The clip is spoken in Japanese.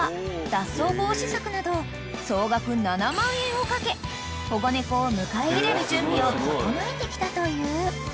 ［総額７万円をかけ保護猫を迎え入れる準備を整えてきたという］